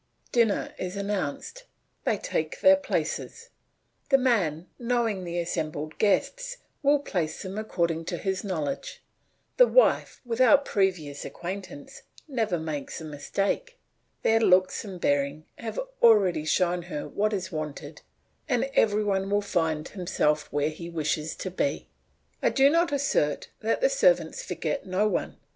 Dinner is announced, they take their places; the man knowing the assembled guests will place them according to his knowledge; the wife, without previous acquaintance, never makes a mistake; their looks and bearing have already shown her what is wanted and every one will find himself where he wishes to be. I do not assert that the servants forget no one.